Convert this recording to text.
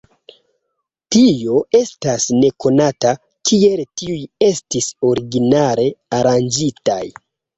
Tio estas nekonata, kiel tiuj estis originale aranĝitaj.